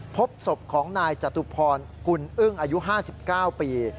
พบสมของนายจัตุพรคุณเอิ้งอายุ๕๙ปี